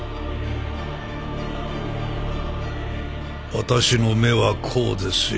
私の目はこうですよ。